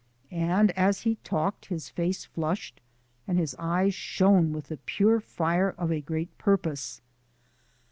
And as he talked his face flushed, and his eyes shone with the pure fire of a great purpose.